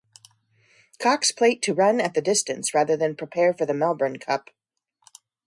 Cox Plate to run at the distance rather than prepare for the Melbourne Cup.